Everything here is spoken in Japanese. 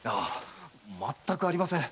全くありません。